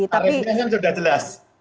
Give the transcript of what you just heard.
iya tarifnya sudah jelas